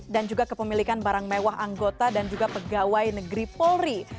dan juga kepemilikan barang mewah anggota dan juga pegawai negeri polri